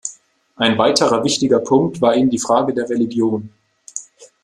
Ein weiterer wichtiger Punkt war ihm die Frage der Religion.